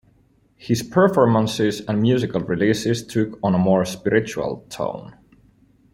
His performances and musical releases took on a more spiritual tone.